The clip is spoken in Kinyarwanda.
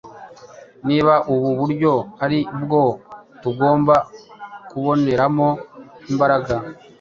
Niba ubu buryo ari bwo tugomba kuboneramo imbaraga,